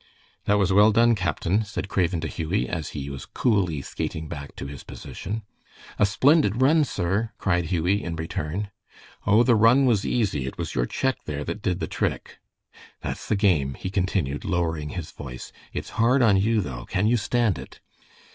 "That was well done, captain," said Craven to Hughie, as he was coolly skating back to his position. "A splendid run, sir," cried Hughie, in return. "Oh, the run was easy. It was your check there that did the trick. That's the game," he continued, lowering his voice. "It's hard on you, though. Can you stand it?"